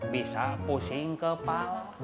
bisa pusing kepala